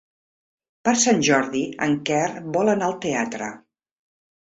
Per Sant Jordi en Quer vol anar al teatre.